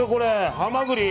ハマグリ。